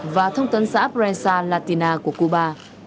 và thông tấn xã prensa latina của cuba